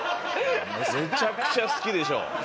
めちゃくちゃ好きでしょ。